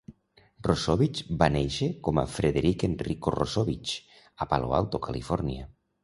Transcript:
Rossovich va néixer com a Frederic Enrico Rossovich a Palo Alto, Califòrnia.